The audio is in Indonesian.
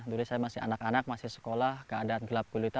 dulu saya masih anak anak masih sekolah keadaan gelap kulit